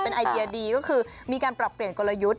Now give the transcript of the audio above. ไอเดียดีก็คือมีการปรับเปลี่ยนกลยุทธ์